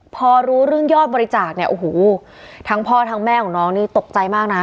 พอรู้เรื่องยอดบริจาคเนี่ยโอ้โหทั้งพ่อทั้งแม่ของน้องนี่ตกใจมากนะ